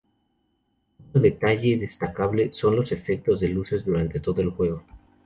Otro detalle destacable son los efectos de luces durante todo el juego.